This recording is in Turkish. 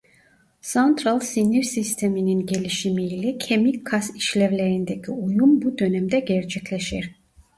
Santral sinir sisteminin gelişimi ile kemik-kas işlevlerindeki uyum bu dönemde gerçekleşir.